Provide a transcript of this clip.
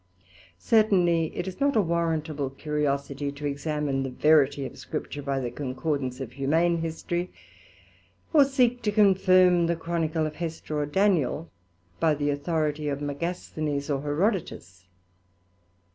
Certainly it is not a warrantable curiosity, to examine the verity of Scripture by the concordance of humane history, or seek to confirm the Chronicle of Hester or Daniel by the authority of Megasthenes or Herodotus.